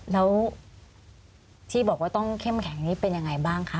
แล้วที่บอกว่าต้องเข้มแข็งนี้เป็นยังไงบ้างคะ